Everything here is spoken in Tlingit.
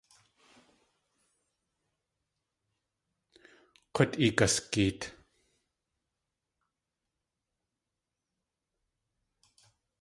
K̲ut igasgeet!